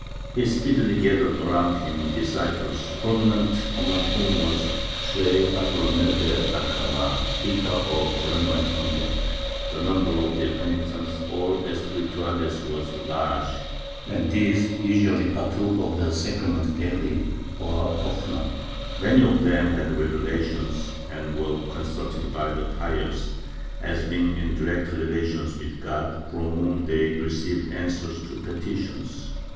He speedily gathered around him disciples, prominent among whom was Fray Bartolome de Alcala, vicar of the Geronimite convent; the number of their penitents, all espirituales was large, and these usually partook of the sacrament daily or oftener; many of them had revelations and were consulted by the pious as being in direct relations with God, from whom they received answers to petitions.